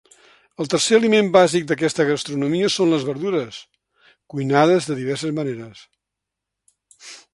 El tercer aliment bàsic d'aquesta gastronomia són les verdures, cuinades de diverses maneres.